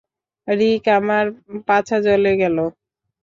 রিক, আমার পাছা জ্বলে গেল!